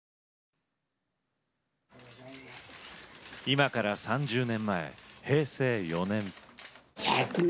今から３０年前、平成４年。